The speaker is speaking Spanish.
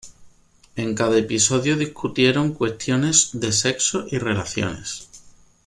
En cada episodio discutieron cuestiones de sexo y relaciones.